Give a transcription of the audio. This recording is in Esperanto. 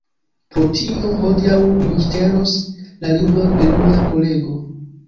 Pro tio, hodiaŭ mi ŝtelos la libron de mia kolego